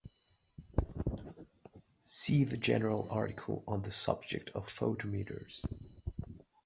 See the general article on the subject of photometers.